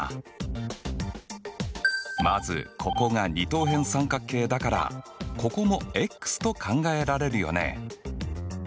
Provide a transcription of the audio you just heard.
まずここが二等辺三角形だからここもｘと考えられるよね。